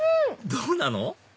どうなの？